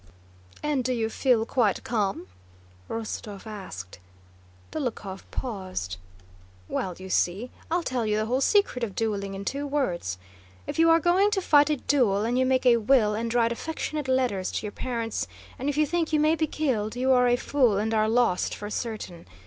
"And do you feel quite calm?" Rostóv asked. Dólokhov paused. "Well, you see, I'll tell you the whole secret of dueling in two words. If you are going to fight a duel, and you make a will and write affectionate letters to your parents, and if you think you may be killed, you are a fool and are lost for certain.